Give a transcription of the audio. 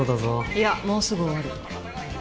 いやもうすぐ終わる。